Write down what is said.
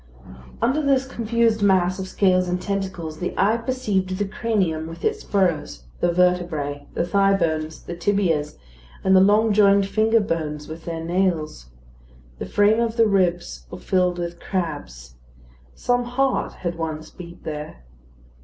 Under this confused mass of scales and tentacles, the eye perceived the cranium with its furrows, the vertebræ, the thigh bones, the tibias, and the long jointed finger bones with their nails. The frame of the ribs was filled with crabs. Some heart had once beat there.